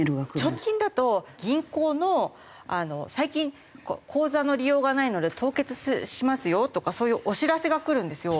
直近だと銀行の最近口座の利用がないので凍結しますよとかそういうお知らせがくるんですよ。